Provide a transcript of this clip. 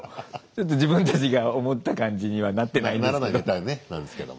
「ちょっと自分たちが思った感じにはなってないんですけど」。